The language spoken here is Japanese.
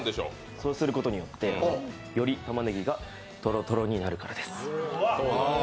そうすることによって、より玉ねぎがとろとろになるからです。